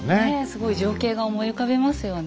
すごい情景が思い浮かびますよね。